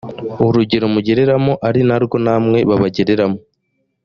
urugero mugeramo ari rwo namwe babagereramo